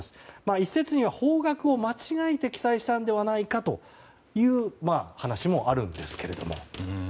一説には方角を間違えて記載したのではないかという話もあるんですけども。